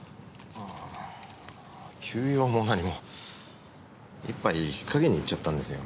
ああ急用も何も一杯引っかけに行っちゃったんですよ。